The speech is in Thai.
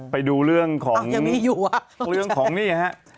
ไปดูเรื่องของเรื่องของนี่ฮะ